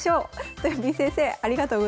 とよぴー先生ありがとうございました。